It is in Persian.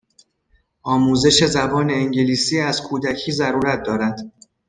آموزش زبان انگلیسی از کودکی ضرورت دارد